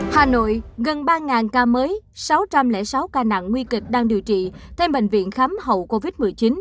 hà nội gần ba ca mới sáu trăm linh sáu ca nặng nguy kịch đang điều trị thêm bệnh viện khám hậu covid một mươi chín